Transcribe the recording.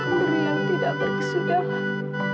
kuberi yang tidak berkesudahan